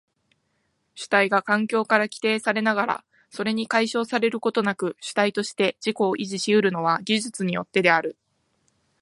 主体が環境から規定されながらそれに解消されることなく主体として自己を維持し得るのは技術によってである。